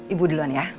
ibu duluan ya